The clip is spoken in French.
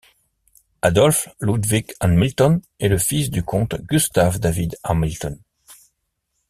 Adolf Ludvig Hamilton est le fils du comte Gustaf David Hamilton.